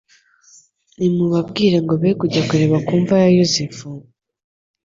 Nimubabwire ngo be kujya kureba ku mva ya Yosefu,